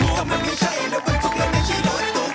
ก็มันไม่ใช่รถประทุกและไม่ใช่รถตุ๊กตุ๊ก